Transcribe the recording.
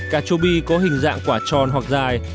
cà chua bi có hình dạng quả tròn hoặc dài